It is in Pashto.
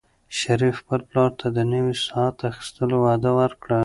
شریف خپل پلار ته د نوي ساعت اخیستلو وعده ورکړه.